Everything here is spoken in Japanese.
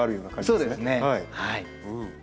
そうですねはい。